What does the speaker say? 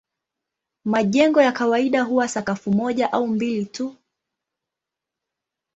Majengo ya kawaida huwa sakafu moja au mbili tu.